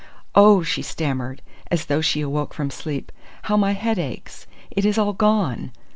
"Oh!" she stammered, as though she awoke from sleep. "How my head aches! It is all gone!"